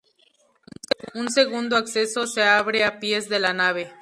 Un segundo acceso se abre a pies de la nave.